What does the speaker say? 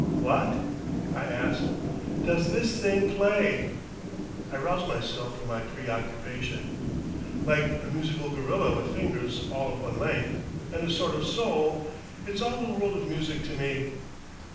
"What?" I asked. "Does this thing play?" I roused myself from my preoccupation. "Like a musical gorilla with fingers all of one length. And a sort of soul.... It's all the world of music to me."